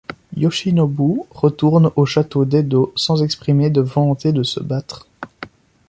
Yoshinobu retourne au château d'Edo sans exprimer de volonté de se battre.